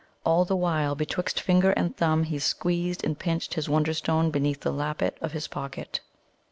All the while betwixt finger and thumb he squeezed and pinched his Wonderstone beneath the lappet of his pocket.